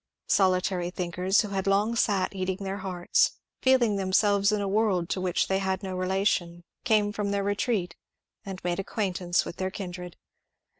Solitary thinkers who had long sat eating their hearts, feeling themselves in a world to which they had no relation, came from their retreat and made acquaintance with their kindred.